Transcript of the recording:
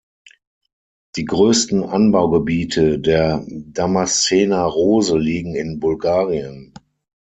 Die größten Anbaugebiete der Damaszener Rose liegen in Bulgarien.